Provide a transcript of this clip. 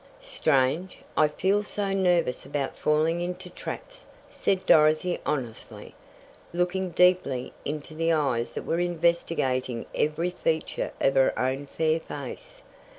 "Strange, I feel so nervous about falling into traps," said Dorothy honestly, looking deeply into the eyes that were investigating every feature of her own fair face.